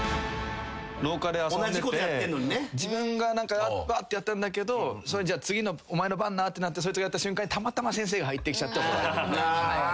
廊下で遊んでて自分がわってやったんだけど次お前の番なってなってそいつがやった瞬間にたまたま先生が入ってきちゃって怒られるみたいな。